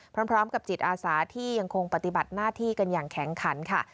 พร้อมกับจิตอาสาที่ยังคงปฏิบัติหน้าที่กันอย่างแข็งขันค่ะ